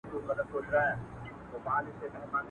له خټو جوړه لویه خونه ده زمان ژوولې.